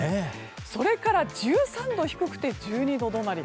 それから１３度低くて１２度止まり。